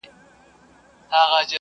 دا د نه ستړي کېدونکي هڅو مانا لري.